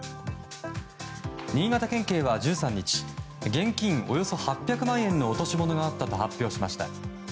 新潟県警は１３日現金およそ８００万円の落とし物があったと発表しました。